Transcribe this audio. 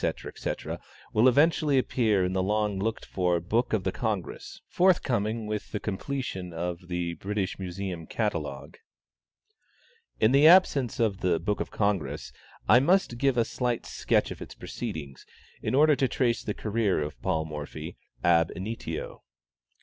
etc., will eventually appear in the long looked for "Book of the Congress," forthcoming with the completion of the "British Museum Catalogue." In the absence of the "Book of the Congress," I must give a slight sketch of its proceedings, in order to trace the career of Paul Morphy ab initio.